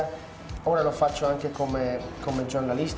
sekarang saya melakukannya sebagai seorang jurnalist